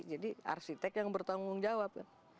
jadi arsitek yang bertanggung jawab